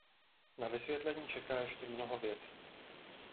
Na vysvětlení čeká ještě mnoho věcí.